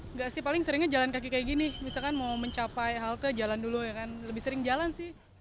nggak sih paling seringnya jalan kaki kayak gini misalkan mau mencapai halte jalan dulu ya kan lebih sering jalan sih